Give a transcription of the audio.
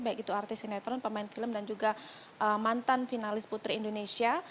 baik itu artis sinetron pemain film dan juga mantan finalis putri indonesia